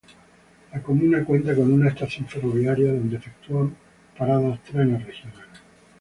La comuna cuenta con una estación ferroviaria donde efectúan parada trenes regionales.